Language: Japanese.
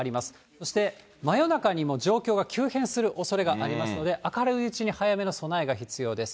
そして真夜中にも状況が急変するおそれがありますので、明るいうちに早めの備えが必要です。